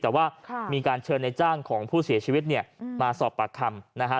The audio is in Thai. แต่ว่ามีการเชิญในจ้างของผู้เสียชีวิตเนี่ยมาสอบปากคำนะฮะ